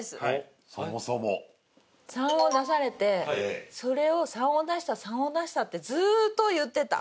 「３」を出されてそれを「３」を出した「３」を出したってずっと言ってた。